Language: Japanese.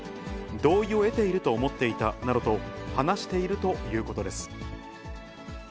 同意を得ていると思っていたなどと話しているということです。